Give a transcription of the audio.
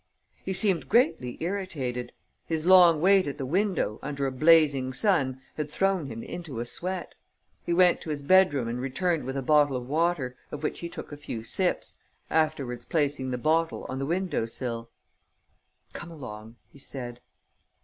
He seemed greatly irritated. His long wait at the window, under a blazing sun, had thrown him into a sweat. He went to his bedroom and returned with a bottle of water, of which he took a few sips, afterwards placing the bottle on the window sill: "Come along," he said.